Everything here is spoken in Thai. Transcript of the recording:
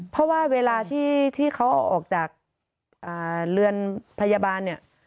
เพราะว่าเวลาที่เขาออกจากเรือนพยาบาลเนี่ย